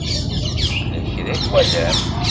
Yella kra i twalam?